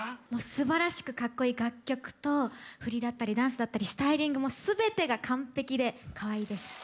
すばらしくかっこいい楽曲と振りだったりダンスだったりスタイリングもすべてが完ぺきでかわいいです！